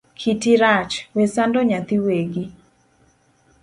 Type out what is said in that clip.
Kiti rach, we sando nyathi wegi